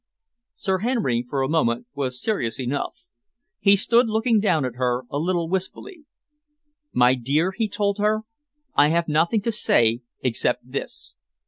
Sir Henry, for a moment, was serious enough. He stood looking down at her a little wistfully. "My dear," he told her, "I have nothing to say except this.